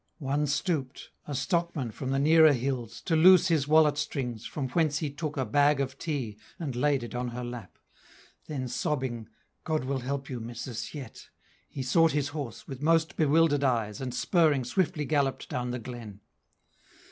One stooped a stockman from the nearer hills To loose his wallet strings, from whence he took A bag of tea, and laid it on her lap; Then sobbing, "God will help you, missus, yet," He sought his horse, with most bewildered eyes, And, spurring, swiftly galloped down the glen.